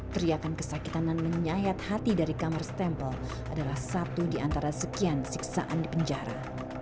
teriakan kesakitan dan menyayat hati dari kamar stempel adalah satu di antara sekian siksaan di penjara